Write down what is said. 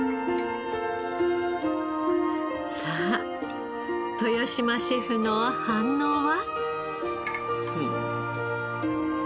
さあ豊嶋シェフの反応は？